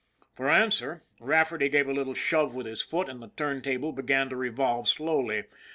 For answer Rafferty gave a little shove with his foot and the turntable began to revolve slowly.